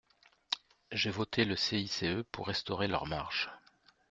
J’ai voté le CICE pour restaurer leurs marges.